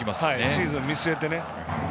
シーズンを見据えて。